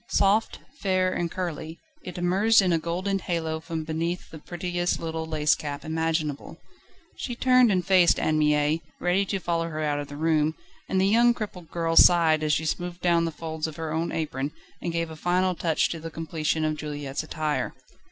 Soft, fair, and curly, it emerged in a golden halo from beneath the prettiest little lace cap imaginable. She turned and faced Anne Mie, ready to follow her out of the room, and the young crippled girl sighed as she smoothed down the folds of her own apron, and gave a final touch to the completion of Juliette's attire.